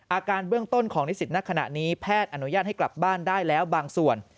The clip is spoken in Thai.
อาการเบื้องต้นของนิสิตนักขณะนี้แพทย์อนุญาตให้กลับบ้านได้แล้วบางส่วน